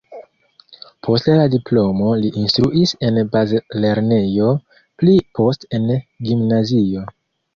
Post la diplomo li instruis en bazlernejo, pli poste en gimnazio.